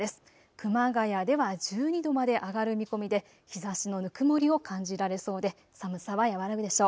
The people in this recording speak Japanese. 熊谷では１２度まで上がる見込みで日ざしのぬくもりを感じられそうで寒さは和らぐでしょう。